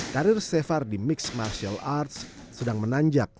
karir sefar di mixed martial arts sedang menanjak